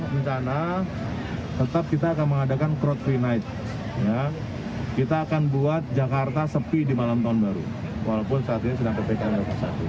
pertama kita akan membuat crowd free night di malam tahun baru